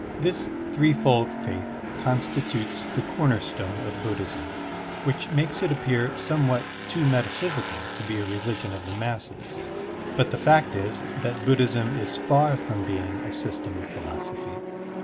This threefold faith constitutes the comer stone of Buddhism, which makes it appear somewhat too metaphysical to be a religion of the masses, but the fact is that Buddhism is far from being a system of philosophy.